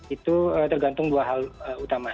itu tergantung dua hal utama